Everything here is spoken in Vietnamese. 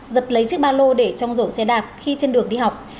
giật lấy chiếc ba lô để trong rổ xe đạp khi trên đường đi học